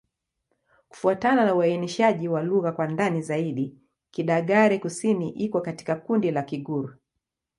Kufuatana na uainishaji wa lugha kwa ndani zaidi, Kidagaare-Kusini iko katika kundi la Kigur.